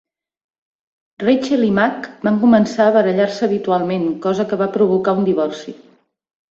Rachel i Mac van començar a barallar-se habitualment, cosa que va provocar un divorci.